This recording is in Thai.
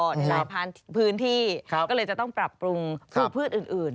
ในหลายพื้นที่ก็เลยจะต้องปรับปรุงปลูกพืชอื่น